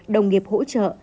đồng nghiệp hỗ trợ